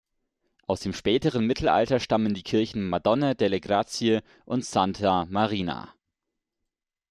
Aus dem späten Mittelalter stammen die Kirchen "Madonna delle Grazie" und "Santa Marina".